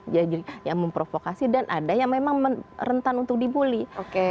jadi yang memprovokasi dan ada yang memang rentan untuk dibully